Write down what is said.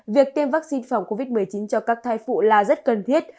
việc tiêm vaccine phòng covid một mươi chín cho các thai phụ là rất cần thiết